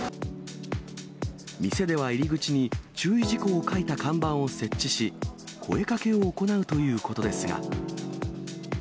店では入り口に注意事項を書いた看板を設置し、声かけを行うということですが。